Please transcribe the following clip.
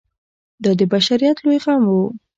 دا د بشریت لوی غم و.